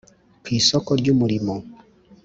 ku isoko ryu murimo,